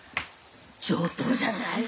上等じゃない？